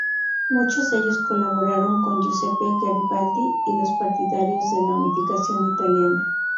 Muchos de ellos colaboraron con Giuseppe Garibaldi y los partidarios de la unificación italiana.